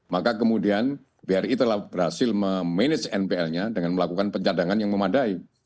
maka kemudian bri telah berhasil memanage npl nya dengan melakukan pencadangan yang memadai